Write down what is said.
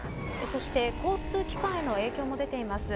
そして交通機関への影響も出ています。